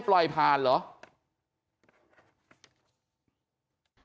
ปล่อยผ่านเหรอ